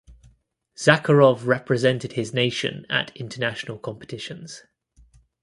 Zakharov represented his nation at international competitions.